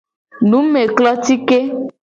Numeklotike.